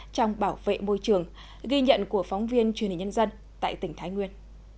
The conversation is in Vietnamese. trong bảo vệ môi trường ghi nhận của phóng viên truyền hình nhân dân tại tỉnh thái nguyên